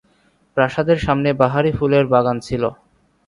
প্রাসাদের সামনে বাহারি ফুলের বাগান ছিল।